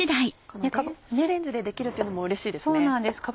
この電子レンジでできるというのもうれしいですね。